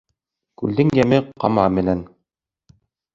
Күлдең йәме ҡама менән